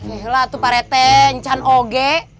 ih lah tuh pak reten can og